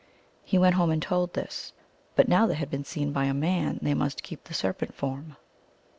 He went home and told this. (But now they had been seen by a man they must keep the serpent form.)